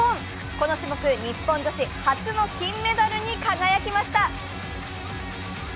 この種目、日本女子初の金メダルに輝きました！